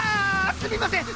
すみません！